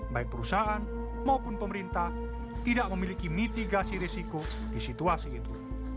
baik perusahaan maupun pemerintah tidak memiliki mitigasi risiko di situasi itu